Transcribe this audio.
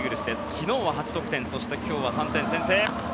昨日は８得点そして今日は３点先制。